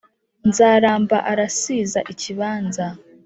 Nzaramba arasiza ikibanza